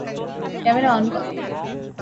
Camera on করো।